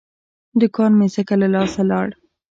دوکان مې ځکه له لاسه لاړ.